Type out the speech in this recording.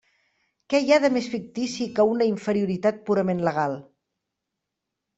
Què hi ha de més fictici que una inferioritat purament legal!